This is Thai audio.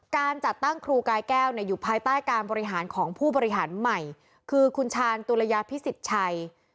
การจัดตั้งครูกายแก้วอยู่ภายใต้การบริหารของผู้บริหารใหม่คือคุณชาญตุรยาพิสิทธิ์ชัย